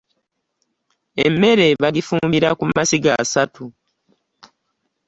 Emmere bagifumbira ku masiga asatu.